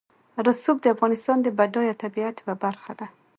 رسوب د افغانستان د بډایه طبیعت یوه برخه ده.